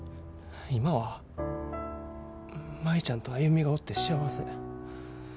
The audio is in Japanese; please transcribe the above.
今は舞ちゃんと歩がおって幸せ。